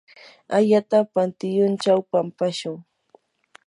ayata pantyunchaw pampashun.